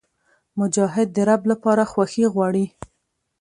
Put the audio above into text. مجاهد د رب لپاره خوښي غواړي.